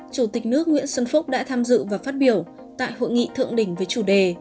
chủ tịch nước nguyễn xuân phúc đã tham dự và phát biểu tại hội nghị thượng đỉnh với chủ đề